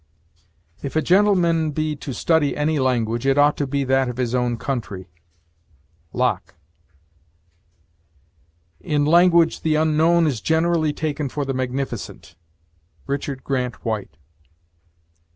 If a gentleman be to study any language, it ought to be that of his own country. LOCKE. In language the unknown is generally taken for the magnificent. RICHARD GRANT WHITE.